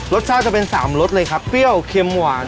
รสชาติจะเป็น๓รสเลยครับเปรี้ยวเค็มหวาน